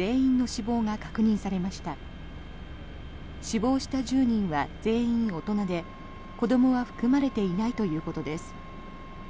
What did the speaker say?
死亡した１０人は全員、大人で子どもは含まれていないということです。